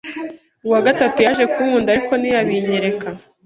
uwa gatatu yaje kunkunda ariko ntiyabinyereka